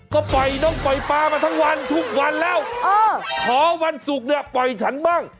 ก็ปล่อยน้องปล่อยปลามาทั้งวันทุกวันแล้วขอวันศุกร์เนี่ยปล่อยฉันบ้าง